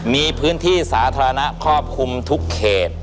มีพื้นที่สาธารณะครอบคลุมทุกเขต